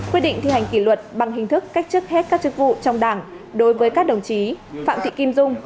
quyết định thi hành kỷ luật bằng hình thức cách chức hết các chức vụ trong đảng đối với các đồng chí phạm thị kim dung